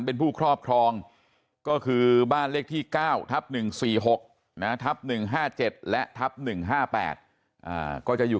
เป็นผู้ครอบครองก็คือบ้านเลขที่๙๑๔๖๑๕๗๑๕๘ก็จะอยู่